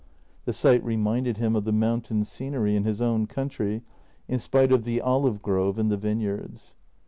The sight reminded him of the mountain scenery in his own country, in spite of the olive grove and the vineyards.